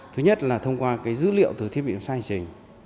thứ nhất là thông qua dữ liệu từ thiết bị giám sát hành trình